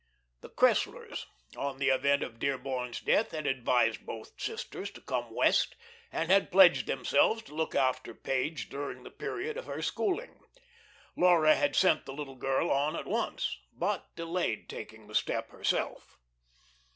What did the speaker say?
The Cresslers on the event of Dearborn's death had advised both sisters to come West, and had pledged themselves to look after Page during the period of her schooling. Laura had sent the little girl on at once, but delayed taking the step herself.